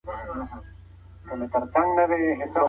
لس منفي يو؛ نهه پاته کېږي.